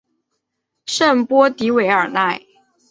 圣波迪韦尔奈。